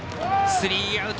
スリーアウト。